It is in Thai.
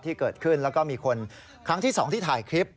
ที่เกิดขึ้นแล้วก็มีคนครั้งที่๒ที่ถ่ายคลิป